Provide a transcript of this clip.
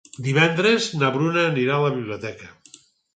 Divendres na Bruna anirà a la biblioteca.